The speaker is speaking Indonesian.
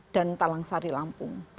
dan talang sari lampung